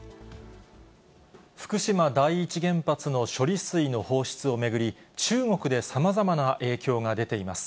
福島第一原発の処理水の放出を巡り、中国でさまざまな影響が出ています。